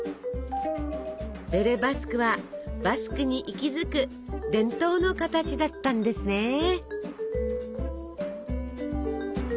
ベレ・バスクはバスクに息づく伝統の形だったんですね。